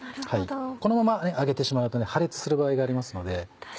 このまま揚げてしまうと破裂する場合がありますので。